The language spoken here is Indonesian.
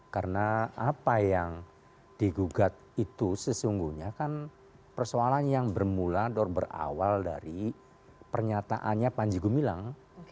karena apa yang digugat itu sesungguhnya kan persoalan yang bermula berawal dari pernyataannya panji gumilang